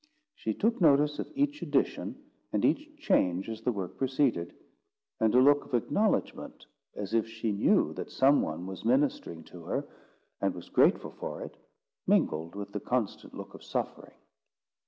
She took notice of each addition and each change as the work proceeded; and a look of acknowledgment, as if she knew that some one was ministering to her, and was grateful for it, mingled with the constant look of suffering.